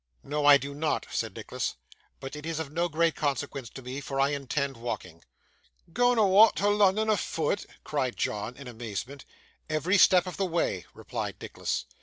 'No, I do not,' said Nicholas; 'but it is of no great consequence to me, for I intend walking.' 'Gang awa' to Lunnun afoot!' cried John, in amazement. 'Every step of the way,' replied Nicholas.